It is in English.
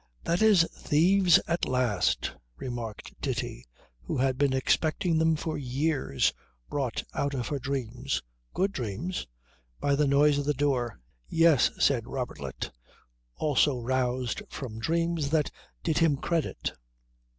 "That is thieves at last," remarked Ditti, who had been expecting them for years, brought out of her dreams good dreams by the noise of the door. "Yes," said Robertlet, also roused from dreams that did him credit.